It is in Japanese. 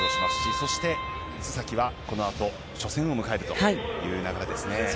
そして、須崎はこのあと初戦を迎えるという流れですね。